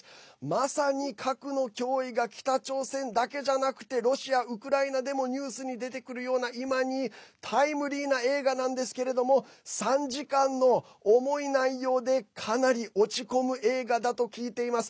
まさに核の脅威が北朝鮮だけじゃなくてロシア、ウクライナでもニュースに出てくるような今にタイムリーな映画なんですけれども３時間の重い内容でかなり落ち込む映画だと聞いています。